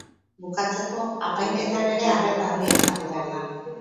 Bukatzeko, apainketan ere arreta handia jarri behar da.